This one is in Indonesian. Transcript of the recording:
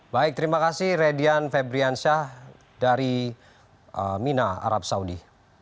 baik terima kasih redian febriansyah dari mina arab saudi